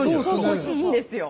惜しいんですよ。